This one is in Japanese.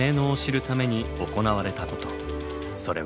それは。